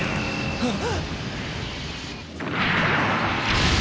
あっ。